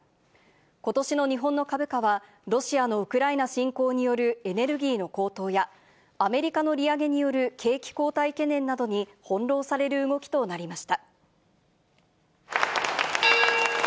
ことしの日本の株価は、ロシアのウクライナ侵攻によるエネルギーの高騰や、アメリカの利上げによる景気後退懸念などに翻弄される動きとなりました。